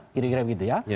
kira kira begitu